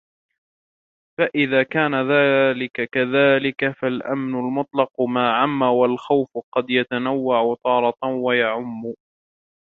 فَإِذَا كَانَ ذَلِكَ كَذَلِكَ فَالْأَمْنُ الْمُطْلَقُ مَا عَمَّ وَالْخَوْفُ قَدْ يَتَنَوَّعُ تَارَةً وَيَعُمُّ